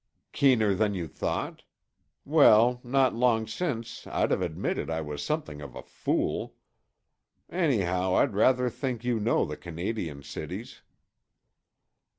"Keener than you thought? Well, not long since I'd have admitted I was something of a fool. Anyhow, I rather think you know the Canadian cities."